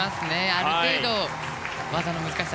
ある程度、技の難しさ